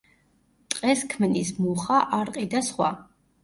ტყეს ქმნის: მუხა, არყი და სხვა.